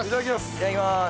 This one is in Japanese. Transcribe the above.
いただきます！